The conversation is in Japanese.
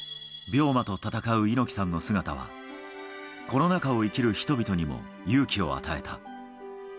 病魔と闘う猪木さんの姿は、コロナかを生きる人々にも勇気を与えた。